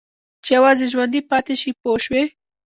چې یوازې ژوندي پاتې شي پوه شوې!.